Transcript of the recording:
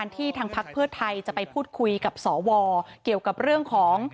ที่ทางพักเพื่อไทยจะไปพูดคุยกับสวเกี่ยวกับเรื่องของ